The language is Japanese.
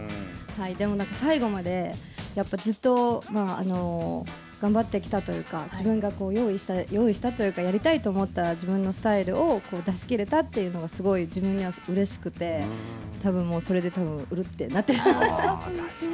でも最後まで、ずっと頑張ってきたというか、自分が用意した、用意したというか、やりたいと思った自分のスタイルを出し切れたというのが、自分にはうれしくて、たぶん、それでうるって、なってしまったと。